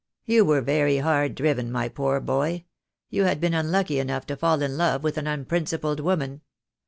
"You were very hard driven, my poor boy. You had been unlucky enough to fall in love with an unprincipled woman.